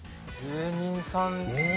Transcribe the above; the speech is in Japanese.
芸人さん。